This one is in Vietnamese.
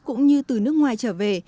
cũng như từ nước ngoài trở về